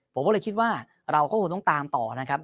ผมก็เลยคิดว่าเราก็คงต้องตามต่อนะครับ